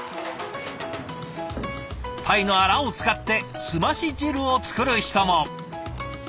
タイのあらを使って澄まし汁を作る人も。